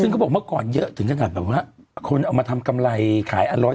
ซึ่งเขาบอกเมื่อก่อนเยอะถึงซึ่งถึงขนาดว่าคุณเอามาทำกำไรขายอันร้อย๒๐๐๓๐๐